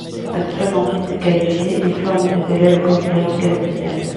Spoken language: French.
Instrumentiste qualifié, il forme des élèves comme Léon Gastinel.